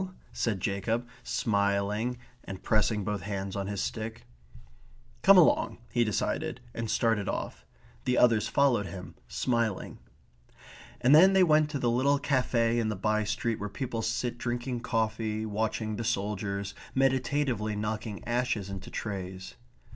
said Jacob, smiling and pressing both hands on his stick. "Come along," he decided; and started off. The others followed him, smiling. And then they went to the little cafe in the by street where people sit drinking coffee, watching the soldiers, meditatively knocking ashes into trays.